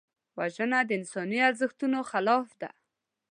وژنه د انساني ارزښتونو خلاف ده